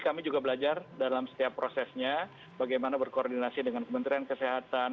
kami juga belajar dalam setiap prosesnya bagaimana berkoordinasi dengan kementerian kesehatan